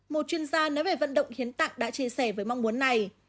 một chuyên gia nói về vận động hiến tặng đã chia sẻ với mong muốn này